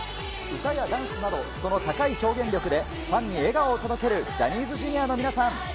歌やダンスなど、その高い表現力でファンに笑顔を届けるジャニーズＪｒ．の皆さん。